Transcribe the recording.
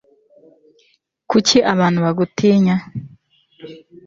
Kuki abantu bagutinya